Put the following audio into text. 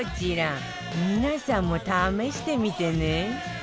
皆さんも試してみてね